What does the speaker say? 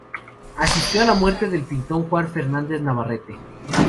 Asistió a la muerte del pintor Juan Fernández Navarrete.